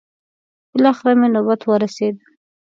بلاخره مې نوبت ورسېد.